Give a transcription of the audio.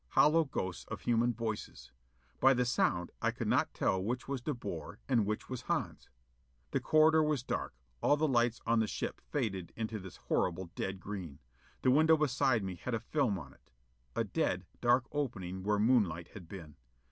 Hollow ghosts of human voices. By the sound I could not tell which was De Boer and which was Hans. The corridor was dark; all the lights on the ship faded into this horrible dead green. The window beside me had a film on it. A dead, dark opening where moonlight had been.